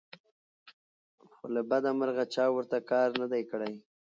خو له بدمرغه چا ورته کار نه دى کړى